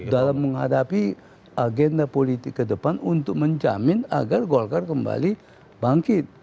dalam menghadapi agenda politik ke depan untuk menjamin agar golkar kembali bangkit